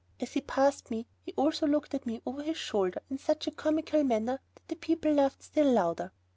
As he passed me, he also looked at me over his shoulder in such a comical manner that the people laughed still louder.